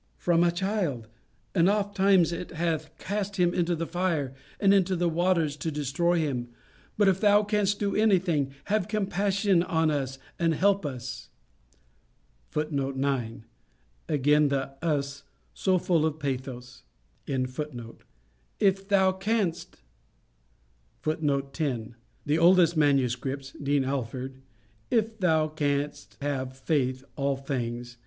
"From a child. And oft times it hath cast him into the fire, and into the waters, to destroy him; but if thou canst do anything, have compassion on us, and help us." [Footnote 9: Again the us so full of pathos.] "If thou canst?" [Footnote 10: The oldest manuscripts. (Dean Alford). "If thou canst have faith All things," &c.